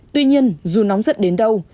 tuy nhiên dù nóng giận đến đâu